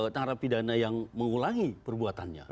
tara pidana yang mengulangi perbuatannya